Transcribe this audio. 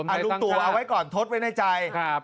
อารุกตุ๋เอาไว้ก่อนทดไว้ในใจครับ